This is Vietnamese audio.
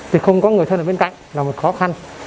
thì không có người thân ở bên cạnh là một khó khăn